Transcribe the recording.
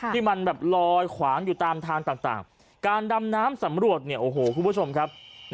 ที่มันแบบลอยขวางอยู่ตามทางต่างการดำน้ำสำรวจเนี่ยโอ้โหคุณผู้ชมครับ